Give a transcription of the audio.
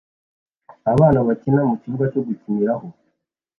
Abana bakina mukibuga cyo gukiniraho